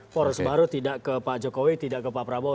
poros baru tidak ke pak jokowi tidak ke pak prabowo